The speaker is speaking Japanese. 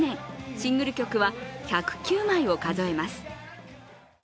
シングル曲は１０９枚を数えます。